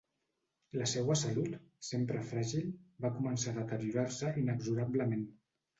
La seua salut, sempre fràgil, va començar a deteriorar-se inexorablement.